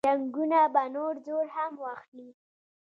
جنګونه به نور زور هم واخلي.